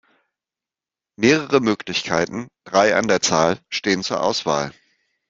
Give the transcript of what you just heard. Mehrere Möglichkeiten, drei an der Zahl, stehen zur Auswahl.